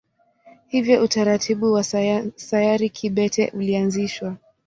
Hivyo utaratibu wa sayari kibete ulianzishwa.